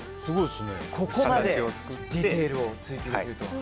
ここまでディティールを追求すると。